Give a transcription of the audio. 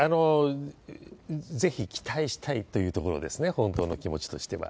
ぜひ期待したいというところですね、本当の気持ちとしては。